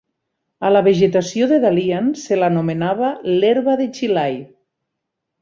A la vegetació de Dalian se l'anomenava "l'herba de Xilai".